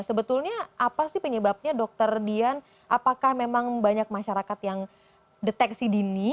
sebetulnya apa sih penyebabnya dokter dian apakah memang banyak masyarakat yang deteksi dini